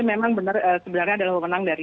itu memang sebenarnya adalah kemenangan dari